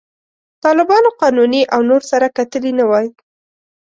طالبانو، قانوني او نور سره کتلي نه وای.